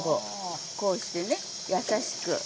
こうしてねやさしく。